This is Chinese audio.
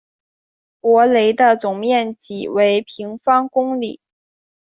博雷的总面积为平方公里。